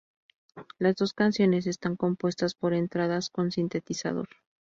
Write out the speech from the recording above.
Las dos canciones están compuestas por entradas con sintetizador.